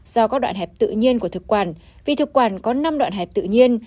do các đoạn hẹp tự nhiên của thực quản vì thực quản có năm đoạn hẹp tự nhiên